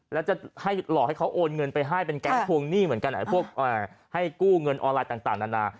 แล้วจะให้หลอกให้เขาโอนเงินไปให้เป็นแก๊งทวงหนี้เหมือนกันพวกให้กู้เงินออนไลน์ต่างนานา